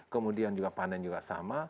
kemudian panen juga sama